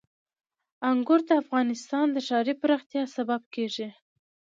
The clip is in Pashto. انګور د افغانستان د ښاري پراختیا سبب کېږي.